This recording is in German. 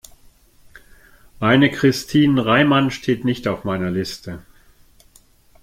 Eine Christin Reimann steht nicht auf meiner Liste.